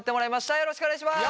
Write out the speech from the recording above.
よろしくお願いします。